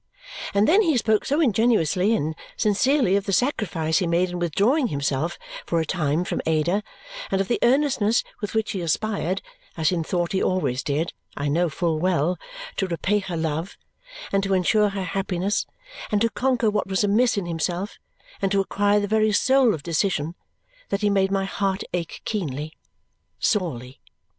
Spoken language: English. And then he spoke so ingenuously and sincerely of the sacrifice he made in withdrawing himself for a time from Ada, and of the earnestness with which he aspired as in thought he always did, I know full well to repay her love, and to ensure her happiness, and to conquer what was amiss in himself, and to acquire the very soul of decision, that he made my heart ache keenly, sorely.